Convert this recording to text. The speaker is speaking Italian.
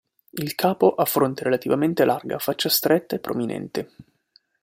Il capo ha fronte relativamente larga, faccia stretta e prominente.